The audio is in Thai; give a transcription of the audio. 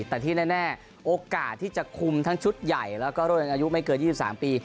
แต่ที่แน่โอกาสที่จะคุมทั้งชุดใหญ่แล้วก็รุ่นอายุไม่เกิน๒๓ปี